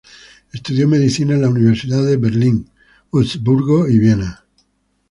Estudió Medicina en las universidades de Berlín, Wurzburgo y Viena.